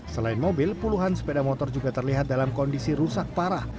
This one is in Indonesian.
selain mobil puluhan sepeda motor juga terlihat dalam kondisi rusak parah